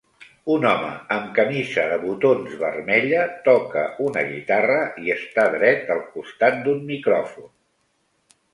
Un home amb camisa de botons vermella toca una guitarra i està dret al costat d'un micròfon.